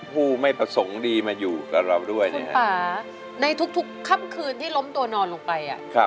ผู้ไม่ประสงค์ดีมาอยู่กับเราด้วยนะครับในทุกค่ำคืนที่ล้มตัวนอนลงไป